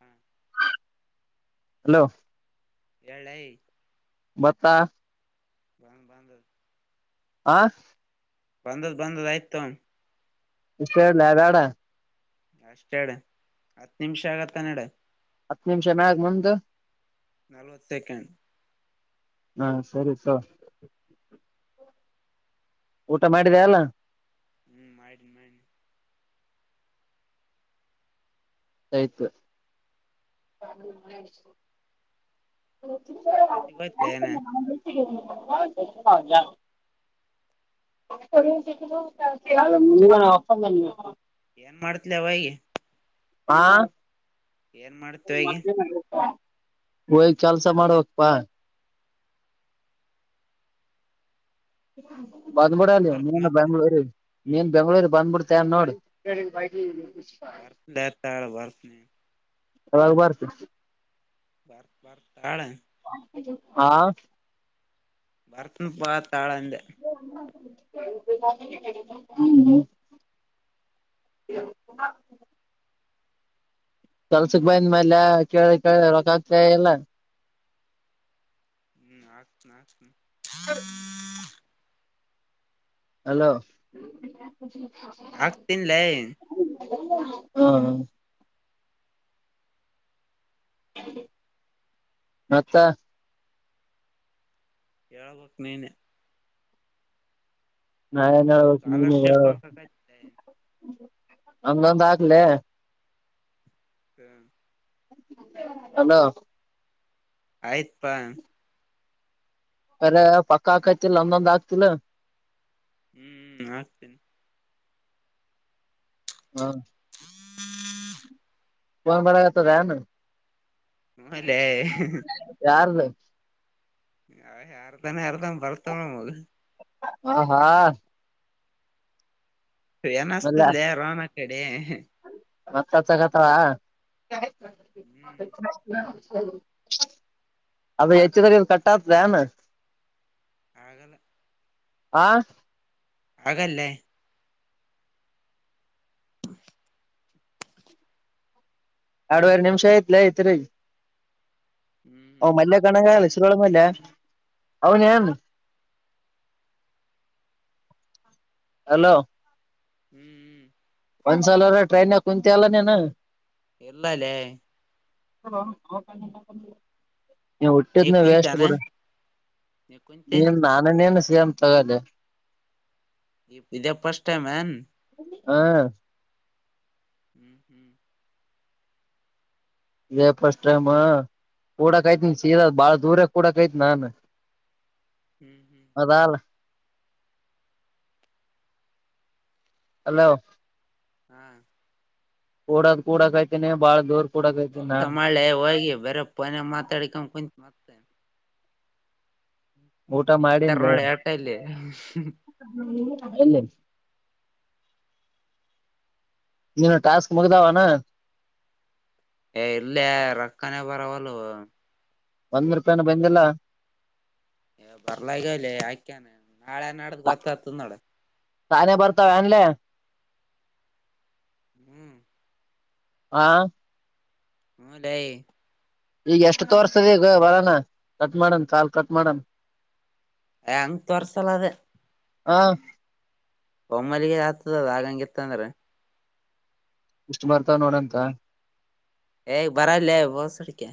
ಹಾ ಹಲೋ ಹೇಳೈ ಬತ್ತಾ ಬಾ ಬಾಂದ್ ಆ ಬಂದದ್ ಬಂದದ್ದು ಆಯ್ತ ಅಂತ [unintelligible] ಅಷ್ಟ ಅಡೆ ಹತ್ ನಿಮಿಷ ಆಗತ್ತ ನೆಡಿ ಹತ್ತು ನಿಮಿಷ ಮ್ಯಾಗ ಮುಂದು ನಲ್ವತ್ ಸೆಕೆಂಡ್ ಹಾ ಸರಿ ತಕೊ ಊಟ ಮಾಡಿದ ಅಲ್ಲ ಹ್ಮ್ ಇನ್ನ ಇಲ್ಲ ಆಯ್ತು ಎಷ್ಟೊತ್ತಿಗೆ ಹೋಯ್ತ್ಲ ಏನ [inaudible] [inaudible] ಏನ್ ಮಾಡ್ತಿದಾವೈ ಹಾ ಏನ್ ಮಾಡತಾಗಿ ಹಯ್ ಕೆಲ್ಸ ಮಾಡುವಕ್ಪ್ಪಾ ಬಂದ ಯಾವಾಗ ಬುಡಾಲಿ ಬರ್ತ್ ನೀನು ಮತ್ತ ಬಂಗ್ಳೂರಿಗೆ ನೀನ್ ಬೆಂಗಂಗಳೂರಿಗೆ ಬಂದ್ಬಿಡ್ತೇ ನೋಡಿ ಭರ್ತ್ತಾಳ ಭರ್ತ್ ನೀ ಅಖಬಾರಸ ಬರ್ ಬರ್ ತಾಳ ಹಾ ಭರತನ ಪಾ ತಾಳಂದ ಹ್ಮ ಹ ಕೆಲ್ಸಕ್ ಬಂದ ಮೇಲ್ಯ ಕೇಳಿ ಕೇಳ ರೊಕ್ಕ ಆ್ತ ಎಲ್ಲ ಹ್ಮ್ ಆತ್ ಆತ್ ಹಲೋ ಆಗ್ತನ್ಲ ಹ್ಮ ಮತ್ತ ಹಳ್ಬಕ್ ನೀನೆ ನಾಯೆನ್ ಹೇಳಬೇಕು ನೀನೆ ಸ್ಕಾಲರ್ಶಿಪ್ ಹಾಕಕೈತ್ಲೆ ಹೇಳುಅಂಗೊಂದು ಹಾಕ್ಲೆ ಹ್ಮ ಅಲ ಆಯ್ತ್ಪಾ ಅರೆ ಪಕ್ಕಾ ಹಾಕೈತಿ ಅಂದಂದು ಆಗ್ತಿಲ್ಲ [unintelligible] ಹ್ಮ್ ಆಗ್ತೇನೆ ಹಾ [inaudible] [inaudible] ಫೋನ್ ಬರಕತ್ತದೆ ಹೂನ್ಲೇ ಯಾರದು ಅ ಯಾರದಾನೆ ಯಾರದನ್ ಬರ್ತಾವಣ ಮಗ ಹ ಹಾ ಹಏನ್ಸ್ತಲ್ಲ ರೋನಾ ಕಡೆ ಮತ್ತಾ ತಗತಾಳ [inaudible] ಹ್ಮ್ ಅ ಹೆಚ್ಚು ತರ ಕಟ್ಟಾತ್ದಾನ ಆಗಲ್ಲ ಆಾ ಹಾಗಗಲ್ಲೇ. ಎರಡುವರೆ ನಿಮಿಷ ಐತ್ ಲೆ ತಿರಿಗಿ. ಓ ಹ್ಮ್ ಮಲ್ಲ ಕಣ ಅಷ್ಟೇ ನಿಸರಳನ್ನ ಅಲ್ಲ ಅವೌನ್ಯನ್ನು ಹಲೋ ಹ್ಮ್ ಹ್ಮ್ ಒಂದ್ಸಲಾನೂ ಟ್ರೈನ್ಲಿ ಕುಂತ ಅಲ್ಲ ನೀನ ಇಲ್ಲಲ್ಲೇ ಹಲೋ ನೀ ಹುಟ್ಟಿದನ ವೇಸ್ಟ್ ಬಿಡು ನೀ ಕುಂತಿ ನೀನ್ ನಾನನೆನ್ ತಗದೆ ಇ ಇದ ಫಸ್ಟ್ ಟೈಮ್ ಎನ್. ಹಾ ಹ್ಮ್ ಹ್ಮ್ ಇದೆ ಫಸ್ಟ್ ಟೈಮ್ ಕೂಡಕತನೀ ಸೀದಾ ಬಾಳ ದೂರ ಕೂಡಕ್ಐತಿ ನಾನ್. ಹ್ಮ್ ಹ್ಮ್ ಅದಲ್ಲ ಹಲೋ ಹ್ಮ ಕೂಡದ್ ಕೂಡಕತ್ನಿ ಬಾಳ ದೋರ್ ಕೆಲ್ಸ ಮಾಡ್ಲೇ ಹೋಗಿ ಬರೆ ಫೋನ್ಯಾಗ ಮಾತಾಡಿಕೊಂಡ ಕುಂತತ್ ಮತೇ. ಊಟ ಬಿಗಿತಾರ್ ಮಾಡನ್ಲೆ. ನೋಡಿ ಏಟ ಇಲ್ಲಿ ಹ ಇಲ್ಲ [unintelligible] ನಿನಗ್ ಟಾಸ್ಕ್ ಮುಗುದವನ್. ಏ ಇಲ್ಲೇ ರಕ್ಕನೆ ಬರವಲುವು. ಒಂದ್ ರೂಪಾಯಾನ ಬಂದಿಲ್ಲ ಏ ಬರ್ಲಗವಲೆ ಯಾಕೆನ ನಾಳೆ ನಾಡದ ಗೊತ್ತಾತದ ನೋಡ್. ತಾನೇ ಬರ್ತವೆನ್ಲೆ. [unintelligible] ಹ್ಮ್ ಹಾ ಹ್ಮ ಲ್ಯಾ. ಈಗ ಎಷ್ಟ ತೋರ್ಸತದ ಈಗ ಬಡನ ಕಟ್ ಮಾಡನ್ ಕಾಲ್ ಕಟ್ ಮಾಡಮ್. ಆ ಅಂಗ ತೊರಿಸಸಲ್ಲ ಅದ್. ಹಾ [unintelligible] ಒಮ್ಮಲ್ಲಿಗೆ ಆತದ ಆಗಂಗಿತ್ತಂದ್ರ. ಇಷ್ಟು ಬರ್ತಾವ ನೋಡಂತ. ಏ ಬರಲ್ಲಲೇ ಬೋಸುಡೋಕ್ಯ.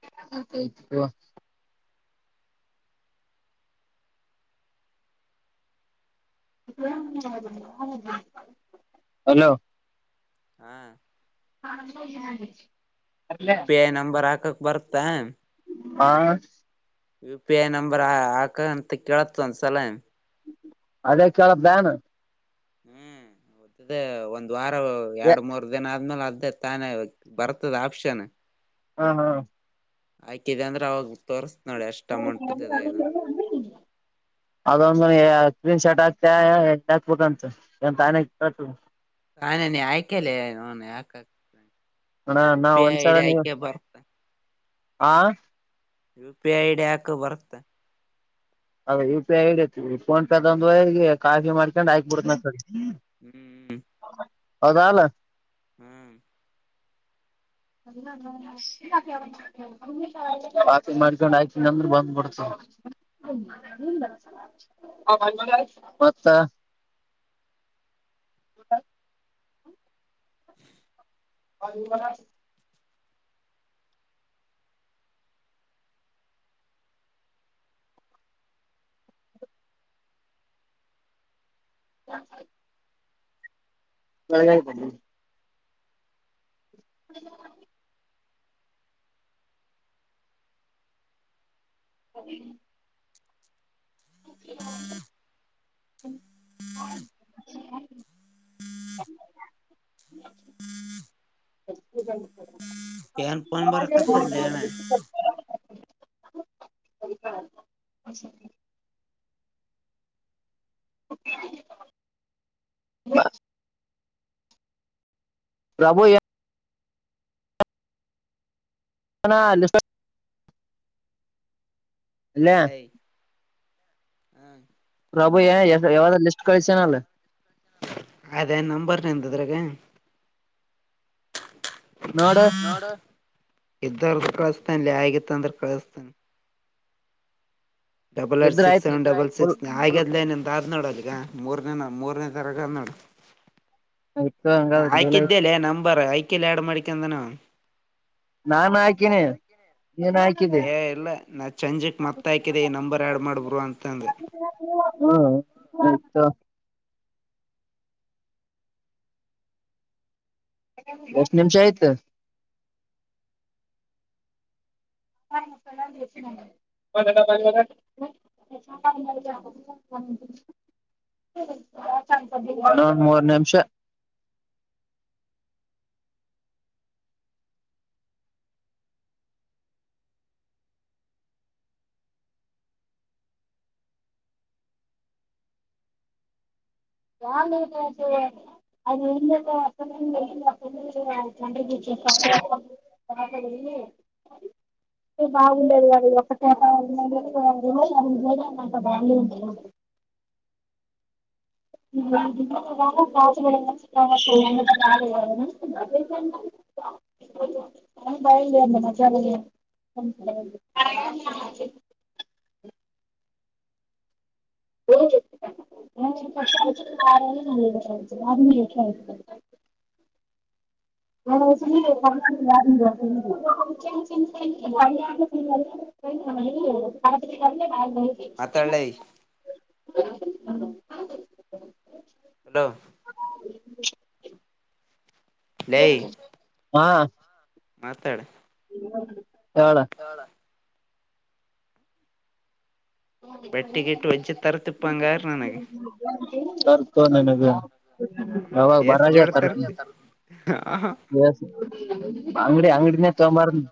ಹ ಹಲೋ ಹಾ ಹಾ [unintelligible] ಯು ಪಿ ಐ ನಂಬರ್ ಹಾಕಕ್ ಬರ್ತ್ತಾ ಹಾ ಯು ಪಿ ಐ ನಂಬರ್ ಹಾಕ ಅಂತ ಕೇಳತ್ತ ಒಂದ್ಸಲ. ಅದೇ ಕೇಳುತ್ಯಾನ್ ಹ್ಮ್ ಅದೇ ಒಂದ್ ವಾರ ಎರಡ್ ಮೂರ್ ದಿನ ಆದ್ಮೇಲೆ ಆಗ್ತ್ ಅದೇ ತಾನೇ ಬರ್ತದ ಆಪ್ಷನ್. ಹಾ ಹಾ ಆಕೀದೆ ಅಂದ್ರ ಅವಾಗ ತೋರ್ಸ್ ನೋಡಿ ಎಸ್ಟ್ ಅಮೌಂಟ್ದ ಇದಗ್ಯಂತ್. ಹ ಅದೊಂದ ಸ್ಕ್ರೀನ್ ಶರ್ಟ್ ಆಕ್ತ್ಯ ಎಂಗ್ ಹಾಕ್ಬಂತ ಇಲ ತಾನೆ ಕೇಳ್ತದ. ಹಾ ನಾನ ಆಯ್ಕಲ್ಲ ನ ಯಾಕ ಆಕ್ಟ್. ಅಣ ಅಣ ಒಂನ್ಸಾರಿ [inaudible] ಹ U P I I D ಆಕ್ ಬರ್ತ್ತ. ಅದ ಯು ಪಿ ಐ ಐಡಿಐತಿ ಫೋನ್ ಪೇದ ಒಂದ ಈ ಕಾಫಿ ಮಾಡ್ಕೊಂಡ್ ಆಕ್ಬಿಡತನ ಆಕಡೆ. ಹ್ಮ್್ಮ ಹೌದಲ ಹ್ಮ್ [unintelligible] ಕಾಪಿ ಮಾಡ್ಕೊಂಡು ಆಕಿದ್ನಂದ್ರ ಬಂದ್ಬಡ್ತದ [unintelligible] ಮತ್ತ ಊಟ. [inaudible] [unintelligible] [unintelligible] [unintelligible] [unintelligible] ಅದೇ [unintelligible] [inaudible] ಏನ್ ಫೋನ್ ಬರಕತ್ತದಲೇ ಅಣ್ಣ [unintelligible] [unintelligible] [unintelligible] ರಬೊ [unintelligible] ಹ [unintelligible] [inaudible] ಎಳೈ ಪ್ರಭು [unintelligible] ಎವದ ಲಿಸ್ಟ್ ಕಳಸನೇನ್. ಅದೇ ನಂಬರ್ ನಿಂದದ್ರೆಗೆ [inaudible] ನೋಡು ಇದ್ದಾರ ಕಳಸ್ತಾನಲ್ಲಿ ಆಗತ್ತ ಅಂದ್ರೆ ಕಳಿಸ್ತಾನಿ ಡಬಲ್ ಏಟ್ ಇದ್ರ ಸಿಕ್ ಆಯ್ತು ಸೆವೆನ್ ಡಬಲ್ ಫುಲ್ ಸಿಕ್ ಹಾಗಿದ್ಲೇ ನಿನ್ [unintelligible] ನೋಡು ಅಲ್ಲಿಗ ಮೂರನೇ ಮೂರನೇ ತರಗ ಆದ್ ನೋಡ್. ಆಯ್ತು ನಾ ಹಂಗಾದ್ರೆ ಡೇಲ್ ಆಯ್ತು ಆಯ್ಕಿದ್ದೇಲೆ ನಂಬರ್ ಆಯ್ಕಿಲ್ಲ ಆಡ್ ಮಾಡಿಕಂದನ ಅವ್ನ್ ನಾನ್ ಹಾಕೀನಿ. ಹೇ ಇಲ್ಲ ನಾ ಚಾಂಜೀಕ್ ಮತ್ತ ಹಾಕಿದೆ ಈ ನಂಬರ್ ಆಡ್ ಮಾಡ್ ಬ್ರೋ ಅಂ [unintelligible] ಹು [unintelligible] ಏಷ್ಟ್ ನಿಮಿಷ ಆಯ್ತು. [unintelligible] ಖಾಲಿ ಆದ್ರೆ [inaudible] [inaudible] ಅಣ ಒಂನ್ ಮೂರ್ ನಿಂಶ ನಾನ್ ಏನ್ ಹೇಳ್ದೆ. [unintelligible] [inaudible] [unintelligible] [inaudible] [unintelligible] ನಾ ಬಾಯಿಲ್ಲಿ ಅಂದೆ [unintelligible] [unintelligible] ಓಯ್ [unintelligible] ಗೊತ್ತಾಯ್ತು [unintelligible] [unintelligible] [unintelligible] ಮಾತಾಡ್ಲೈ ಹ [inaudible] ಹಲೋ ಹಾ ಮಾತಾಡ್ ಹೇಳ್ ಬಟ್ಟಿ ಗಿಟ್ ವಂಚಿ ತರ್ಥಿಪ ಅಂಗಾರ್ ನನ್ಗೆ. ತರ್ತು ನನಗ ಹ್ಮ್ ಯಾವಾಗ ಎಷ್ಟ ಬರಾಗ ಜೋಡ್ತರ್ ತರ್ತೀನಿ ತರ್ಥಿ [unintelligible] ಹ ಹ ಆಂಗಡಿ ಆಂಗಡಿ ನೆ ತಗೊಬರನ್.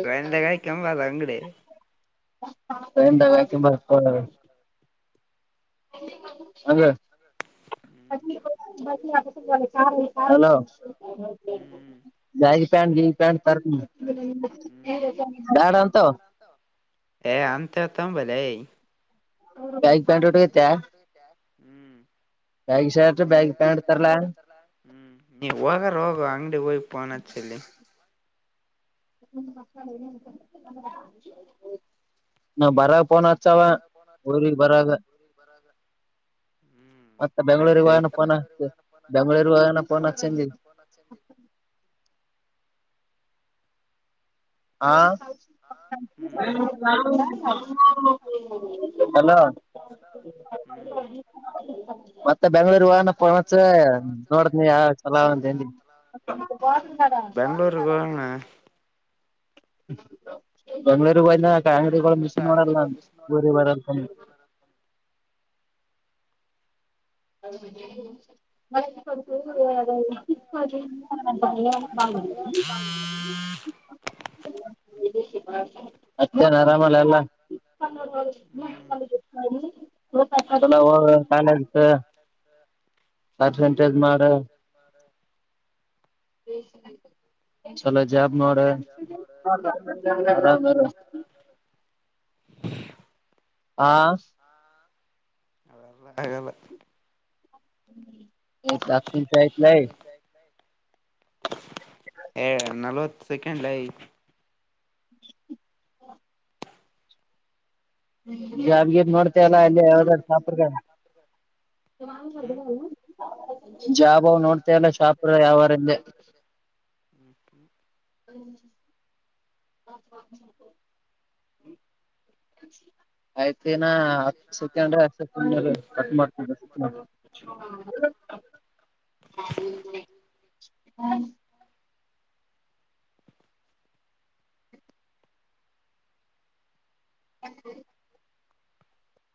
ಫ್ರೆಂಡ್ [unintelligible] ಕೆಂಬಲ್ಲ ಅಂಗಡಿ ಫ್ರೆಂಡ್ ನ ಅಕ್ಯಂಡ್ ಬರೋಕ್ ಹೋಗ್ಯವ್ಳೆ [unintelligible] ಹಲೋ ಹ್ಮ್ ಹ್ಮ್ ಬಾಗಿ ಪ್ಯಾಂಟ್ ಜೀನ್ಸ್ ಪ್ಯಾಂಟ್ ತರ್ಥಿನಿ ಹ್ಮ್ ಬ್ಯಾಡ ಅಂತವು ಏ ಅಂತ ಅತ ಬಲೆ ಕಾಯ [inaudible] ಹ್ಮ್ ಬ್ಯಾಗಿ ಶರ್ಟ್ ಬ್ಯಾಗಿ ಹ್ಮ ಪ್ಯಾಂಟ್ ತರ್ಲಾ ನೀ ಹೋಗಾರ ಹೋಗು ಅಂಗಡಿಗೆ ಹೋಗಿ ಫೋನ್ ಅಚ್ಚಿರೋ ನ ಬಾರ ಪೋನ ನ ಬರ ಪೋನ ಅಚ್ಚಳ ಉ ಬರಾಗ ಮತ್ತ ಬೆಂಗಳೂರಿ ವ ಪೋನ ಬೆಂಳೂರಿಗೆ ಹೋಗೋಣ ಫೋನ ಅಚ್ಚಿ ಹ ಹಾ ಹ್ಮ್ ಹಲೋ [inaudible] ಹ್ಮ್ ಮತ್ತೆ ಬೆಂಗಳೂರು ಹೋದಾಗ ಫೋನ್ ಅಚ್ಚರಿ ನೋಡತನಿ ಯಾವ ಚಲಾವ ಅಂತ ಬೆಂಗಳೂರು ಗೆ ಹೋಗೋಣ ಬೆಂಗಳೂರು ಗಿ ಇ ಅಂಗಡಿಗಳ ಮಿಸ್ ಮಾಡಲ್ಲ ನ ಬೆಂಗಳೂರು ಅಲ್ಲಿ ಹ ಮತ್ತ [inaudible] ಅತ್ತ ಆರಾಮಲ್ಲ ಎಲ್ಲ [inaudible] ಹ್ಮ್ ಪರ್ಸೆಂಟೆಜ ಮಾಡ [inaudible] ಚಲೋ ಜಾಬ್ ನೋಡು ಆರಾಮ್ ಇರು ಹಾ ಅಲ್ಲ ಹತ್ತು ನಿಮಿಷ ಆಯ್ತುಲೆ ಏ ನಲವತ್ತು ಸೆಕೆಂಡ್ ಲೆ [inaudible] ಜಾಬ್ಗಿ ನೋಡ್ತಲ್ಲಾ ಅಲ್ಲಿ ಯಾವ ಸಾಪರ್ ಹ್ಮ್ [unintelligible] ಜಾಬ್ ನೋಡ್ತಲ್ಲ ಶಾಪ ಯಾವಾರಿಂದೆ ಹ್ಮ್ ಹ ಆಯ್ತ ಮನಾ ಹ ಸೆಕೆಂಡ್ ಕ್ ಹ್ಮ ಹು [inaudible]